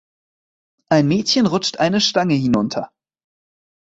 Ein Mädchen rutscht eine Stange hinunter.